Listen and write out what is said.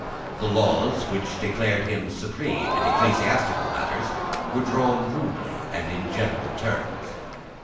The laws which declared him supreme in ecclesiastical matters were drawn rudely and in general terms.